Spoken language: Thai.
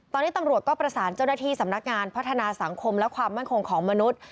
ตอนนี้ตำรวจก็ประสานเจ้าหน้าที่สำนักงานพัฒนาสังคมและความมั่นคงของมนุษย์